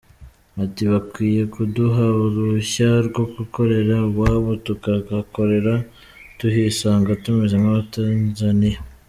Ati: “Bakwiye kuduha uruhushya rwo gukorera iwabo, tukahakorera tuhisanga tumeze nk’abatanzaniya.